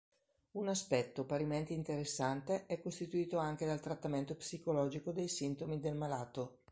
Un aspetto parimenti interessante è costituito anche dal trattamento psicologico dei sintomi del malato.